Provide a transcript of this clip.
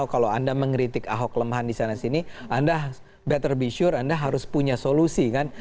kalau anda mengkritik ahok kelemahan di sana sini anda better besure anda harus punya solusi kan